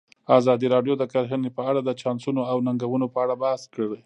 ازادي راډیو د کرهنه په اړه د چانسونو او ننګونو په اړه بحث کړی.